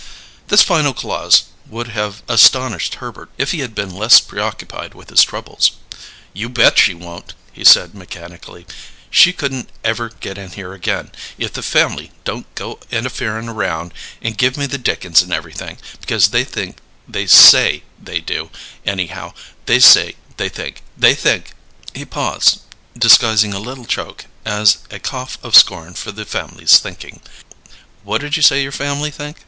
This final clause would have astonished Herbert if he had been less preoccupied with his troubles. "You bet she won't!" he said mechanically. "She couldn't ever get in here again if the family didn't go intafering around and give me the dickens and everything, because they think they say they do, anyhow they say they think they think " He paused, disguising a little choke as a cough of scorn for the family's thinking. "What did you say your family think?"